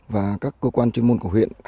và các cơ quan chuyên môn của huyện